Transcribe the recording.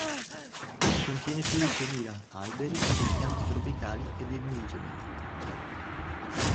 Contiene più di seimila alberi e piante tropicali ed indigene.